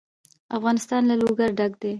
افغانستان له لوگر ډک دی.